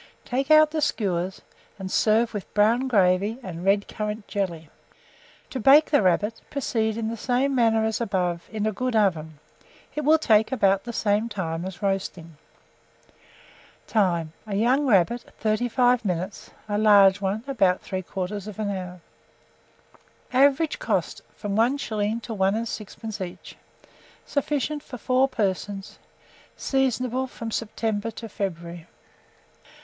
Take out the skewers, and serve with brown gravy and red currant jelly. To bake the rabbit, proceed in the same manner as above; in a good oven, it will take about the same time as roasting. Time. A young rabbit, 35 minutes; a large one, about 3/4 hour. Average cost, from 1s. to 1s. 6d. each. Sufficient for 4 persons. Seasonable from September to February.